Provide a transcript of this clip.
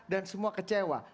dan semua kecewa